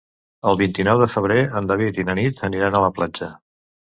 El vint-i-nou de febrer en David i na Nit aniran a la platja.